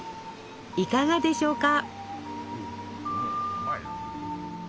いかがでしょうか？